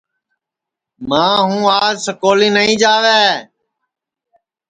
ماں ہوں آج سکولی نائی جاوے